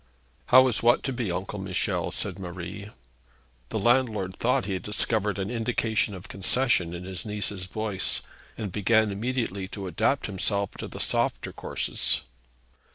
'How is what to be, Uncle Michel?' said Marie. The landlord thought that he discovered an indication of concession in his niece's voice, and began immediately to adapt himself to the softer courses.